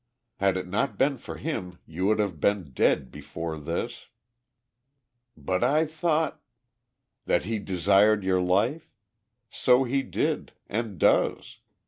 Had it not been for him you would have been dead before this." "But I thought " "That he desired your life? So he did and does.